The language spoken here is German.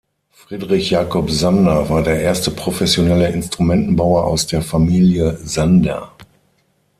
Friedrich Jacob Sander war der erste professionelle Instrumentenbauer aus der Familie Sander.